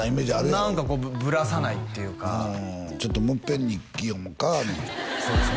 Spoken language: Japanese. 何かこうぶらさないっていうかもういっぺん日記読もうかそうですね